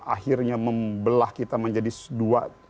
akhirnya membelah kita menjadi dua